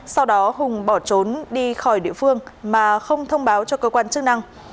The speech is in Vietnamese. sau đó hùng bỏ trốn đi khỏi địa phương mà không thông báo cho cơ quan chức năng